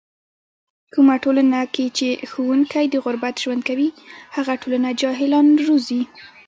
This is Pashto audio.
کومه ټولنه کې چې ښوونکی د غربت ژوند کوي، هغه ټولنه جاهلان زږوي.